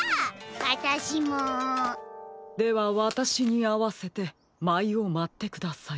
あたしも！ではわたしにあわせてまいをまってください。